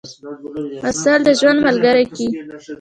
عسل د ژوند ملګری کئ.